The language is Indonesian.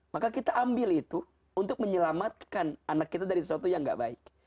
maka kita ambil itu untuk menyelamatkan anak kita dari sesuatu yang gak baik